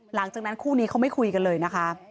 หลังจากนั้นคู่นี้เขาไม่คุยกันเลยนะคะ